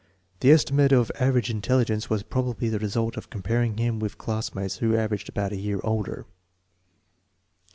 The estimate of "average intelligence'* was probably the result of comparing him with classmates who averaged about a year older.